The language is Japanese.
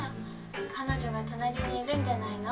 彼女が隣にいるんじゃないの？